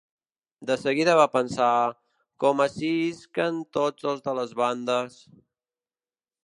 De seguida va pensar: ‘Com ací isquen tots els de les bandes…’